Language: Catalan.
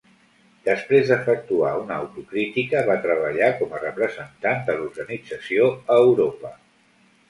Després d'efectuar una autocrítica, va treballar com a representant de l'organització a Europa.